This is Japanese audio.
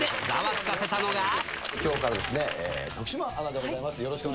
つきょうからですね、徳島アナでございます。